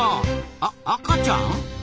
あ赤ちゃん？